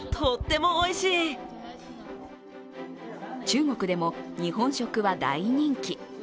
中国でも日本食は大人気。